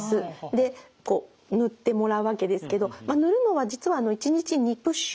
でこう塗ってもらうわけですけど塗るのは実は１日２プッシュ。